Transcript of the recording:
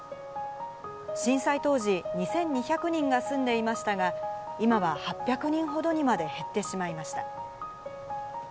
震災当時、２２００人が住んでいましたが、今は８００人ほどにまで減ってしまいました。